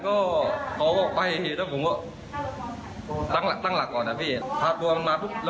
เขาก็ไปเพราะผมก็ตั้งหลักก่อนพาสัตว์มา